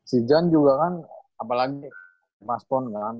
si jan juga kan apalagi pas pon kan